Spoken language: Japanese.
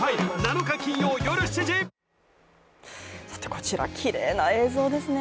こちら、きれいな映像ですね。